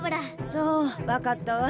そうわかったわ。